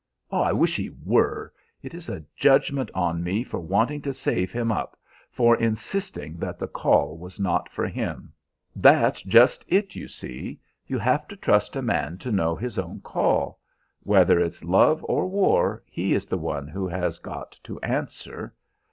"I wish he were! It is a judgment on me for wanting to save him up, for insisting that the call was not for him." "That's just it, you see. You have to trust a man to know his own call. Whether it's love or war, he is the one who has got to answer."